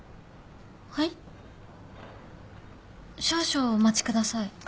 少々お待ちください。